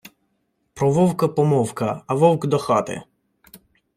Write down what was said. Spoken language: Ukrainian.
Про вовка помовка, а вовк до хати.